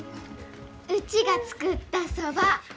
うちが作ったそば。